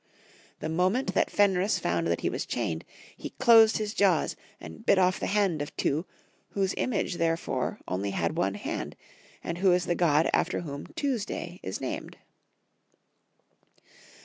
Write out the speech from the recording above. The moment that Fenris found that he was chained, he closed his jaws and bit off the hand of Tiw, whose image therefore only had one hand, and who is the god after whom Tuesday is named.